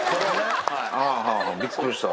びっくりした。